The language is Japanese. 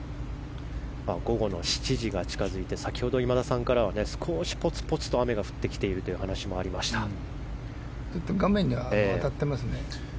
午後の７時が近づいて先ほど今田さんからは少し、ぽつぽつと雨が降ってきているという画面に当たっていますね。